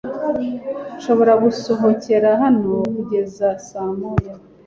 Nshobora gusohokera hano kugeza saa moya?